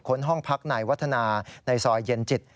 ้นห้องพักนายวัฒนาในซอยเย็นจิต